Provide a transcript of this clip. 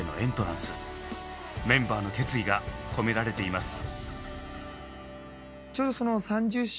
メンバーの決意が込められています。